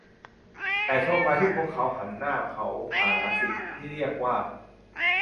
แต่โชคร้ายที่พวกเขาหันหน้าเขาหาสิ่งที่เรียกว่า